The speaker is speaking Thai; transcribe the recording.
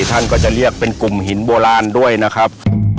ท่านก็จะเรียกเป็นกลุ่มหินโบราณด้วยนะครับ